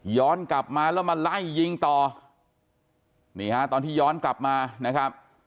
กลับมาแล้วมาไล่ยิงต่อนี่ฮะตอนที่ย้อนกลับมานะครับ